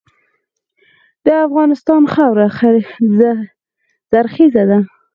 د افغانستان خاوره زرخیزه ده.